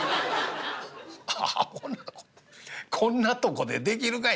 『アホな事こんなとこでできるかい』。